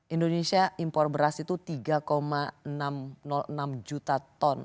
indonesia impor beras itu tiga enam ratus enam juta ton